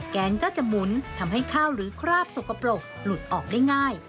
แกงก็จะหมุนทำให้ข้าวหรือคราบสกปรกหลุดออกได้ง่าย